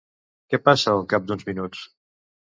Què passa al cap d'uns minuts?